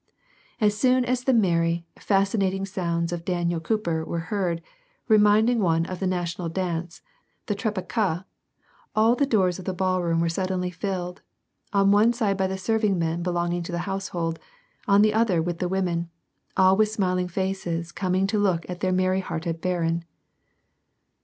As soon as the merry, fascinating sounds of " Daniel Cooper " were heard, reminding one of the national dance, the trepakd, all the doors to the ballroom were suddenly tilled ; on one side by the serving men belonging to the household, on the other with the women, all with smiling faces coming to look at their merry hearted barin.